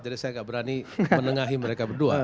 jadi saya tidak berani menengahi mereka berdua